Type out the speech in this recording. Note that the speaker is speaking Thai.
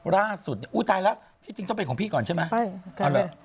ร่าสุดอู๋ตายแล้วจริงต้องเป็นของพี่ก่อนใช่ไหม